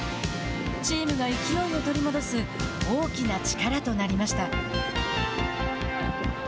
チームが勢いを取り戻す大きな力となりました。